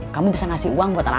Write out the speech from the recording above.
kamu bisa ngasih uang buat anak